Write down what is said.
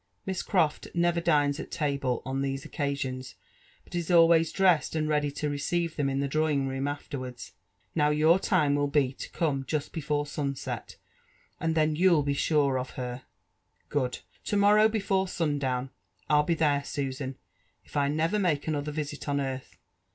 Miss Croft never dines at table on these occasions, but is always di'essed and ready to receive them in the drawing room afterwards. Now, your time will be to come just before sunset, and l^eu' you'll be sure of her." r " Good I To^morrow; before sun down, I'll be there, Susan, iri never make* another visit on earth.